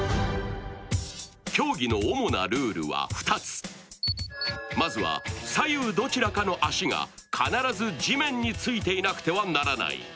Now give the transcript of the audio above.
競技の主なルールは２つまずは左右どちらかの足が必ず地面についていなくてはならない。